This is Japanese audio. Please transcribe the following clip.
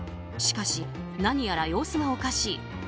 しかし、何やら様子がおかしい。